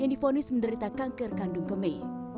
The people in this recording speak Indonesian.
yang difonis menderita kanker kandung kemi